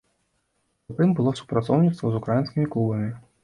Затым было супрацоўніцтва з украінскімі клубамі.